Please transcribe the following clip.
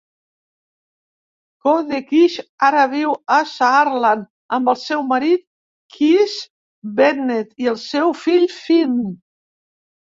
Kohde-Kilsch ara viu a Saarland amb el seu marit, Chris Bennett, i el seu fill Fynn.